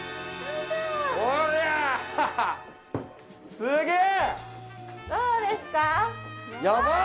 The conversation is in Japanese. すげえ！